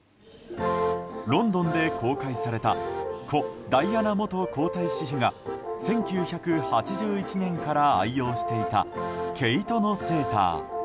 ロンドンで公開された故ダイアナ元皇太子妃が１９８１年から愛用していた毛糸のセーター。